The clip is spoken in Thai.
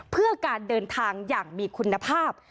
เพื่อการเดินทางอย่างมีคุณภาพ